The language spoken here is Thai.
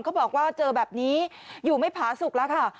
บอกว่าเจอแบบนี้อยู่ไม่ผาสุกแล้วค่ะ